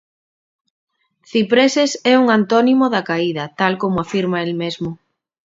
Cipreses é un antónimo da caída, tal como afirma el mesmo.